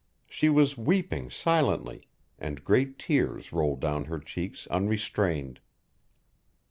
She was weeping silently, and great tears rolled down her cheeks unrestrained.